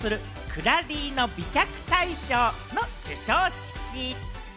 クラリーノ美脚大賞の授賞式。